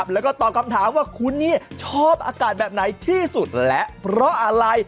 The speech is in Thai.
แล้วก็ตอบคำถามว่าคุณนี่ชอบอากาศแบบไหนที่สุดและเพราะอะไร